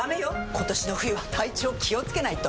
今年の冬は体調気をつけないと！